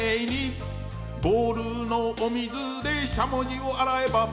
「ボールのお水でしゃもじをあらえば」